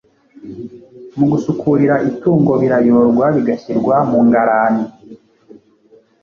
Mu gusukurira itungo birayorwa bigashyirwa mu ngarani.